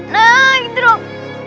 nah gitu dong